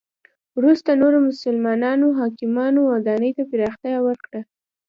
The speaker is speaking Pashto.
وروسته نورو مسلمانو حاکمانو ودانی ته پراختیا ورکړه.